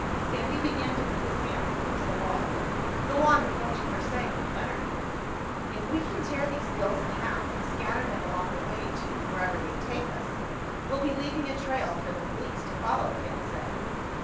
Sandy began to beat his hands against the wall. "Go on with what you were saying," he muttered. "If we can tear these bills in half and scatter them along the way to—wherever they take us—we'll be leaving a trail for the police to follow," Ken said.